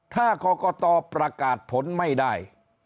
ถ้ากรกตประกาศผลไม่ได้